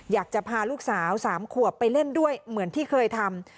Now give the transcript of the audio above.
อยากจะพาลูกสาว๓ขวบไปเล่นด้วยเหมือนที่เคยทำ